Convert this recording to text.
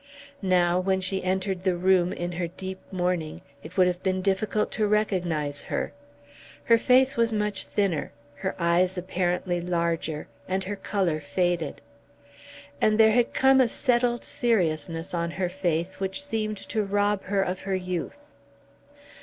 Now when she entered the room in her deep mourning it would have been difficult to recognise her. Her face was much thinner, her eyes apparently larger, and her colour faded. And there had come a settled seriousness on her face which seemed to rob her of her youth.